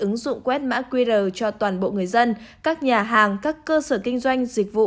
ứng dụng quét mã qr cho toàn bộ người dân các nhà hàng các cơ sở kinh doanh dịch vụ